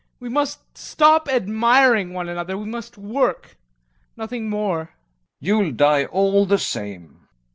We must stop admiring one another. We must work, nothing more. GAEV. You'll die, all the same.